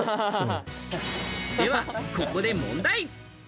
ではここで問題。